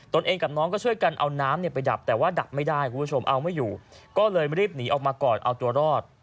ตัวเองกับน้องก็ช่วยกันเอาน้ำไปดับแต่ว่าดับไม่ได้คุณผู้ชมเอาไม่อยู่ก็เลยรีบหนีออกมาก่อนเอาตัวรอด